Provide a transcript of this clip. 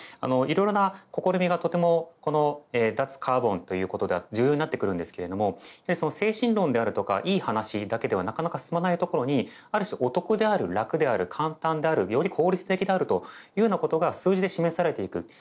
いろいろな試みがとてもこの脱カーボンということでは重要になってくるんですけれども精神論であるとかいい話だけではなかなか進まないところにある種お得である楽である簡単であるより効率的であるというようなことが数字で示されていく。